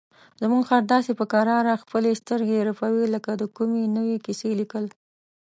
زموږ خر داسې په کراره خپلې سترګې رپوي لکه د کومې نوې کیسې لیکل.